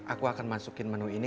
aku akan masukin menu ini